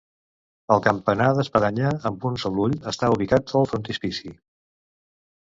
El campanar d'espadanya, amb un sol ull, està ubicat al frontispici.